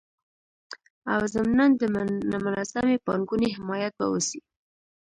او ضمنان د منظمي پانګوني حمایت به وسي